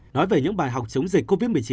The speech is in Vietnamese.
nói về những bài học chống dịch covid một mươi chín